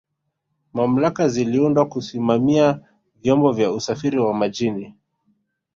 mamlaka ziliundwa Kusimamia vyombo vya usafiri wa majini